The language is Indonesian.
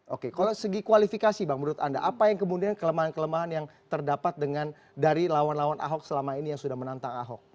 oke kalau segi kualifikasi bang menurut anda apa yang kemudian kelemahan kelemahan yang terdapat dengan dari lawan lawan ahok selama ini yang sudah menantang ahok